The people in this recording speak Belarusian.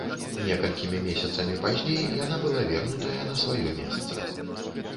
Некалькімі месяцамі пазней яна была вернутая на сваё месца.